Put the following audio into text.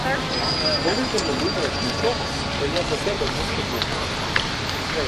Коли ти не думаєш нічого, то я за тебе мушу думати.